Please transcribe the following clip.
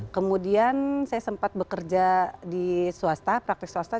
kemudian saya sempat bekerja di swasta praktik swasta